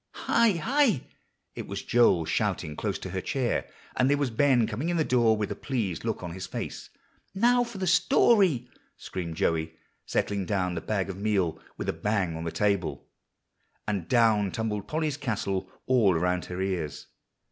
"Hi hi!" It was Joel shouting close to her chair, and there was Ben coming in the door with a pleased look on his face. "Now for the story," screamed Joey, setting down the bag of meal with a bang on the table; and down tumbled Polly's castle all around her ears.